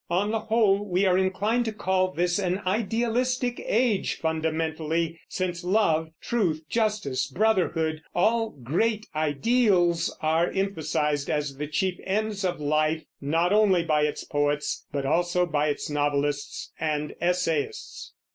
On the whole, we are inclined to call this an idealistic age fundamentally, since love, truth, justice, brotherhood all great ideals are emphasized as the chief ends of life, not only by its poets but also by its novelists and essayists.